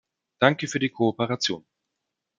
Danke für die Kooperation.